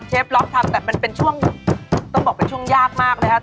เชฟล๊อคทำแต่มันเป็นช่วงต้องบอกเป็นช่วงยากมากเลยฮะ